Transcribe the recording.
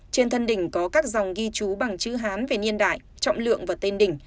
trên thân đỉnh có các dòng ghi chú bằng chữ hán về niên đại trọng lượng và tên đỉnh